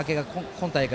今大会